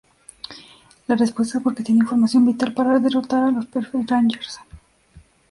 La respuesta es porque tiene información vital para derrotar a los Perfect Rangers.